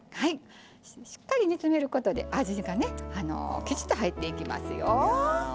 しっかり煮詰めることで、味がしっかり入っていきますよ。